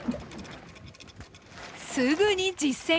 すぐに実践！